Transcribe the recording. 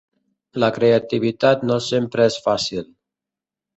La creativitat no sempre és fàcil.